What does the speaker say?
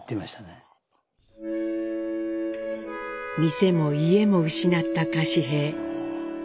店も家も失った柏平。